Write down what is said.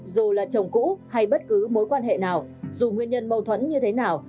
dù là chồng cũ hay bất cứ mối quan hệ nào dù nguyên nhân mâu thuẫn như thế nào